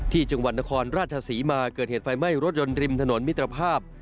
ที่จังหวัดนครราชศรีมาเกิดเหตุไฟไหม้รถยนต์ริมถนนมิตรภาพ